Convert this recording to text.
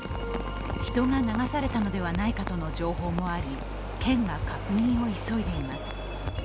人が流されたのではないかとの情報もあり、県が確認を急いでいます。